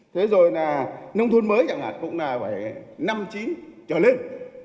thế rồi là nông thôn mới chẳng hạn cũng là phải năm chín trở lên